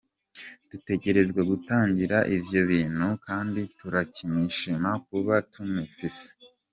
Dutegerezwa gutangarira ivyo bintu kandi tukanishima kuba tumufise.